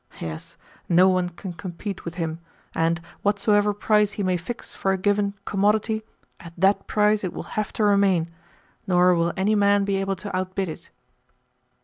Yes, no one can compete with him, and, whatsoever price he may fix for a given commodity, at that price it will have to remain, nor will any man be able to outbid it."